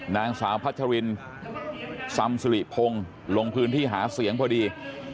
นางสาวพัชรินซำสุริพงศ์ลงพื้นที่หาเสียงพอดี